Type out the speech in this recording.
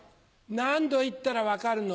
何度言ったら分かるの。